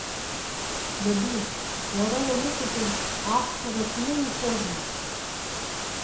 Даду, уара уаныхәыҷыз ахәша рацәаны иуфозма?